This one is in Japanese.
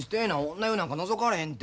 女湯なんかのぞかれへんて。